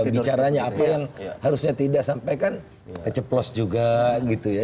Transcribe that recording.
bicaranya apa yang harusnya tidak sampai kan ceplos juga gitu ya